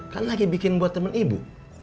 kan lagi bikin buat temen ibu